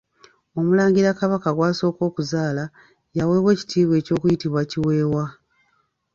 Omulangira kabaka gw'asooka okuzaala, ye aweebwa ekitiibwa eky'okuyitibwa Kiweewa.